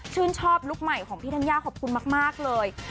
ชื่นชอบลูกใหม่ของพี่ดังยาวขอบคุณมากเลย